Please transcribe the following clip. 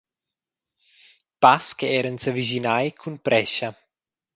Pass che eran s’avischinai cun prescha.